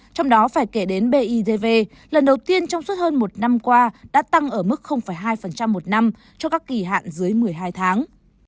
trong đó phải kể đến bidv lần đầu tiên trong suốt hơn một năm qua đã tăng ở mức hai một năm cho các kỳ hạn dưới một mươi hai tháng